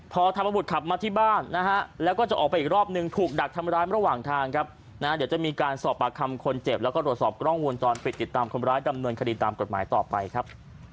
พอธรรมบุตรขับมาที่บ้านนะฮะแล้วก็จะออกไปอีกรอบนึงถูกดักทำร้ายระหว่างทางครับนะเดี๋ยวจะมีการสอบปากคำคนเจ็บแล้วก็ตรวจสอบกล้องวงจรปิดติดตามคนร้ายดำเนินคดีตามกฎหมายต่อไปครับ